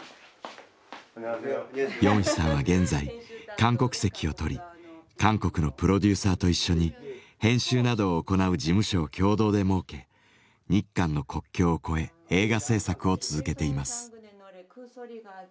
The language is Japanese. ヨンヒさんは現在韓国籍を取り韓国のプロデューサーと一緒に編集などを行う事務所を共同で設け日韓の国境を超え映画製作を続けています。